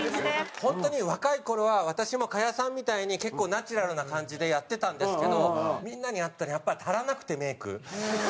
本当に若い頃は私も賀屋さんみたいに結構ナチュラルな感じでやってたんですけどみんなに会ったらやっぱり足らなくてメイク。